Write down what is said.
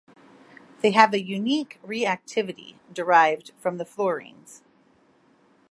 They have a unique reactivity derived from the fluorines.